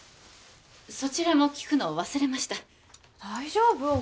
そちらも聞くのを忘れました大丈夫？